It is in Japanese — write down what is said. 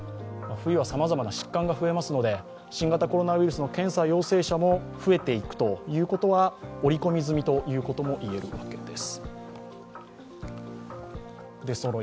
冬はさまざまな疾患が増えますので新型コロナウイルスの検査陽性者も増えていくということは折り込み済みということもいえるわけです。